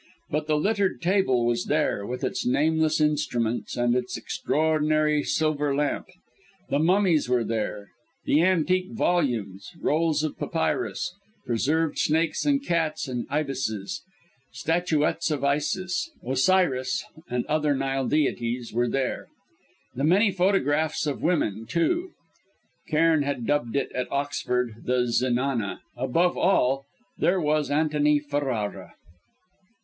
But the littered table was there, with its nameless instruments and its extraordinary silver lamp; the mummies were there; the antique volumes, rolls of papyrus, preserved snakes and cats and ibises, statuettes of Isis, Osiris and other Nile deities were there; the many photographs of women, too (Cairn had dubbed it at Oxford "the zenana"); above all, there was Antony Ferrara.